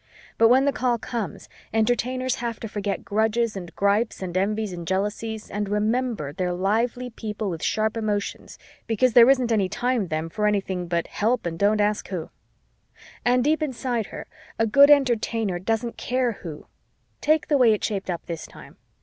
But when the call comes, Entertainers have to forget grudges and gripes and envies and jealousies and remember, they're lively people with sharp emotions because there isn't any time then for anything but help and don't ask who! And, deep inside her, a good Entertainer doesn't care who. Take the way it shaped up this time.